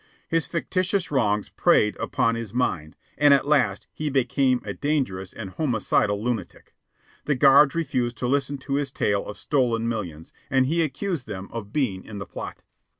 His fictitious wrongs preyed upon his mind, and at last he became a dangerous and homicidal lunatic. The guards refused to listen to his tale of stolen millions, and he accused them of being in the plot.